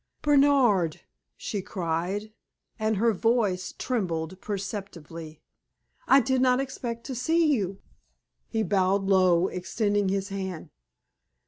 "Bernard!" she cried, and her voice trembled perceptibly. "I did not expect to see you." He bowed low, extending his hand.